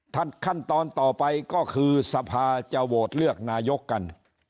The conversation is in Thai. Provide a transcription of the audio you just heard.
ขั้นตอนต่อไปก็คือสภาจะโหวตเลือกนายกกัน